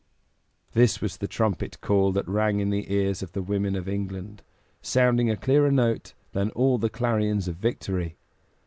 '" This was the trumpet call that rang in the ears of the women of England, sounding a clearer note than all the clarions of victory.